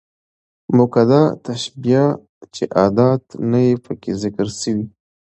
مؤکده تشبيه، چي ادات نه يي پکښي ذکر سوي.